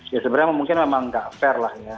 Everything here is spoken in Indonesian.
ya sebenarnya mungkin memang nggak fair lah ya